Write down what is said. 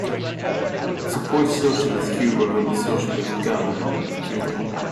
It supports socialist Cuba and the socialist government of Cuba.